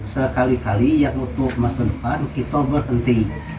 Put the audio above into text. sekali kali yang untuk masa depan kita berhenti